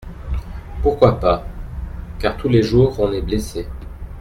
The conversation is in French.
Pourquoi pas ? car tous les jours on est blessé…